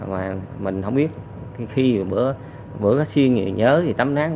mà mình không biết khi bữa xuyên nhớ thì tắm nắng